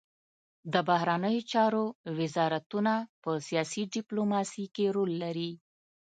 د بهرنیو چارو وزارتونه په سیاسي ډیپلوماسي کې رول لري